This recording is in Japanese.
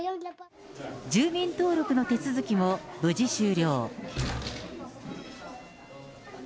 住民登録の手続きも無事終了。